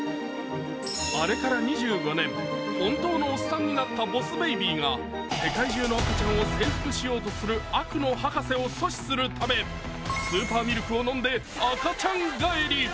あれから２５年、本当のおっさんになったボス・ベイビーが世界中の赤ちゃんを征服しようとする悪の博士を阻止するためスーパーミルクを飲んで赤ちゃん返り。